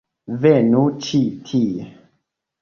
- Venu ĉi tie